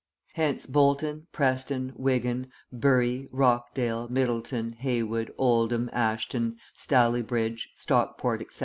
Hence Bolton, Preston, Wigan, Bury, Rochdale, Middleton, Heywood, Oldham, Ashton, Stalybridge, Stockport, etc.